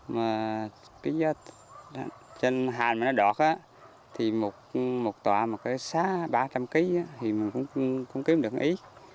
mà cái gió trên hành mà nó đọt á thì một tọa một cái xá ba trăm linh kg thì mình cũng kiếm được một ít